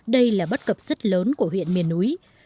đây là bất cập rất lớn của huyện miền núi